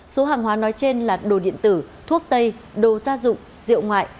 số hàng hóa nói trên là đồ điện tử thuốc tây đồ gia dụng rượu ngoại